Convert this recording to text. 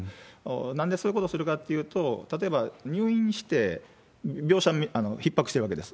なんでそういうことするかっていうと、例えば入院して、病床ひっ迫してるわけです。